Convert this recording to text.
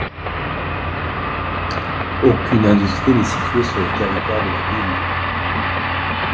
Aucune industrie n'est située sur le territoire de la ville.